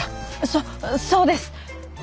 そそうです！